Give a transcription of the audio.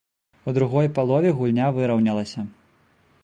У другой палове гульня выраўнялася.